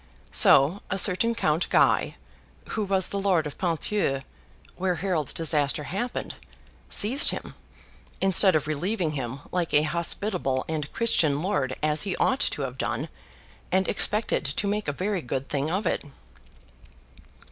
So, a certain Count Guy, who was the Lord of Ponthieu where Harold's disaster happened, seized him, instead of relieving him like a hospitable and Christian lord as he ought to have done, and expected to make a very good thing of it.